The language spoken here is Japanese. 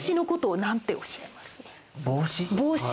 帽子？